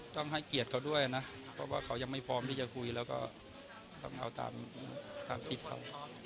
ต้องให้เกียรติเขาด้วยนะเพราะว่าเขายังไม่พร้อมที่จะคุยแล้วก็ต้องเอาตามสิทธิ์เขา